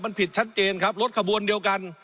มันผิดชัดเจนครับรถขบวนเดียวกัน